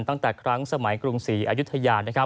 ตั้งแต่ครั้งสมัยกรุง๔อยย